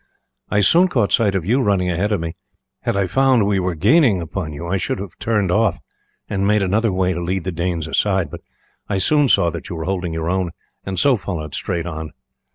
I soon caught sight of you running ahead of me. Had I found we were gaining upon you I should have turned off and made another way to lead the Danes aside, but I soon saw that you were holding your own, and so followed straight on.